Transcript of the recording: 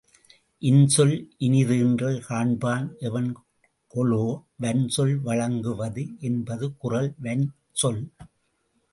இன்சொல் இனிதீன்றல் காண்பான் எவன்கொலோ வன்சொல் வழங்கு வது என்பது குறள் வன்சொல்.